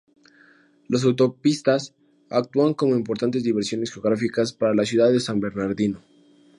Las autopistas actúan como importantes divisiones geográficas para la ciudad de San Bernardino.